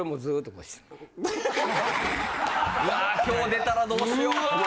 うわ今日出たらどうしよう。